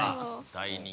大人気。